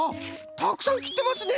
たくさんきってますね！